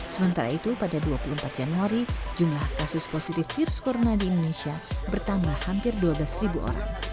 sementara itu pada dua puluh empat januari jumlah kasus positif virus corona di indonesia bertambah hampir dua belas orang